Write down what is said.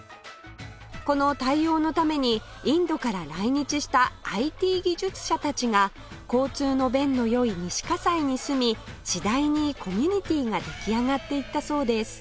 この対応のためにインドから来日した ＩＴ 技術者たちが交通の便のよい西西に住み次第にコミュニティーができあがっていったそうです